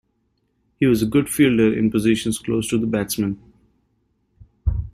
He was a good fielder in positions close to the batsmen.